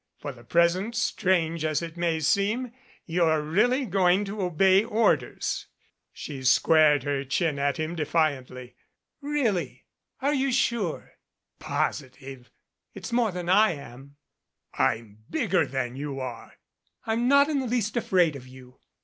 "For the present, strange as it may seem, you're really going to obey orders !" She squared her chin at him defiantly. "Really! Are you sure?" "Positive !" "It's more than I am." "I'm bigger than you are." "I'm not in the least afraid of you."